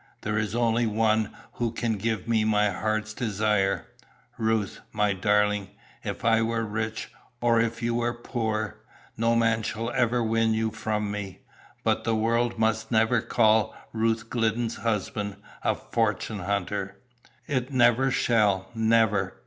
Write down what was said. "There is only one who can give me my heart's desire." "Ruth, my darling, if I were rich, or if you were poor, no man should ever win you from me. But the world must never call Ruth Glidden's husband a fortune hunter." "It never shall. Never!"